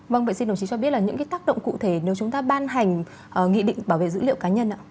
vâng vậy xin đồng chí cho biết là những cái tác động cụ thể nếu chúng ta ban hành nghị định bảo vệ dữ liệu cá nhân ạ